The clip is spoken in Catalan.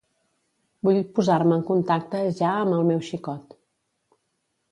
Vull posar-me en contacte ja amb el meu xicot.